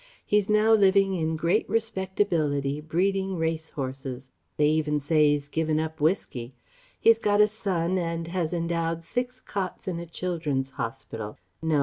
He is now living in great respectability, breeding race horses. They even say he has given up whiskey. He has got a son and has endowed six cots in a Children's hospital. No.